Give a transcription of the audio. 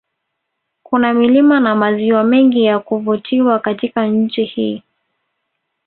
Kuna milima na maziwa mengi ya kuvutiw Katika nchi hii